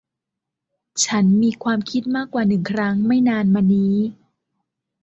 ฉันมีความคิดมากกว่าหนึ่งครั้งไม่นานมานี้